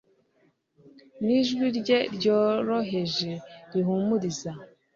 nijwi rye ryoroheje rihumuriza